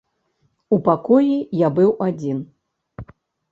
У пакоі я быў адзін.